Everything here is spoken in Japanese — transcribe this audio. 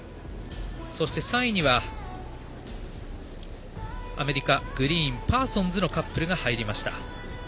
そして、３位にはアメリカのグリーン、パーソンズのカップルが入りました。